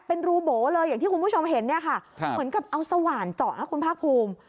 เป็นรูโบ๋เลยอย่างที่คุณผู้ชมเห็นเนี่ยค่ะเหมือนกับเอาสว่านเจาะนะคุณภาคภูมิ